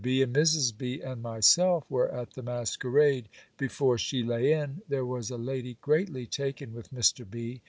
B. and Mrs. B. and myself were at the masquerade, before she lay in: there was a lady greatly taken with Mr. B.